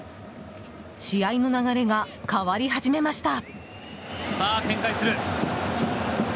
試合の流れが変わり始めました。